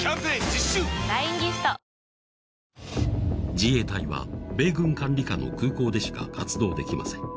自衛隊は、米軍管理下の空港でしか活動できません。